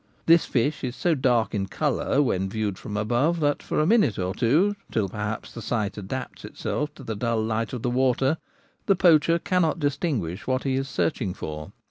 This fish is so dark in colour when viewed from above that for a minute or two, till the sight adapts itself to the dull light of the water, the poacher cannot distinguish what he is searching for.